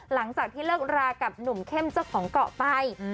หลังจากที่เลิกรากับหนุ่มเข้มเจ้าของเกาะไป